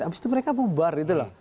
abis itu mereka bubar gitu loh